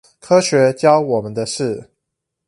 科學教我們的事